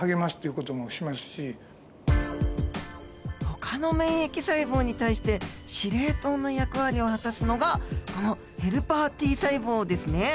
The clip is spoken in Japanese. ほかの免疫細胞に対して司令塔の役割を果たすのがこのヘルパーＴ細胞ですね。